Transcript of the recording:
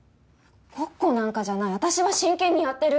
ごっこなんかじゃない私は真剣にやってる。